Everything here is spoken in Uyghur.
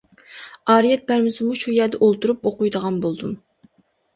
ئارىيەت بەرمىسىمۇ شۇ يەردە ئولتۇرۇپ ئوقۇيدىغان بولدۇم.